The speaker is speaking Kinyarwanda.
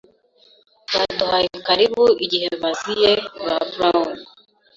baduhaye karibu igihe baziye ba Brown